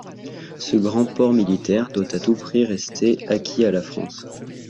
Ce grand port militaire doit à tout prix rester acquis à la France.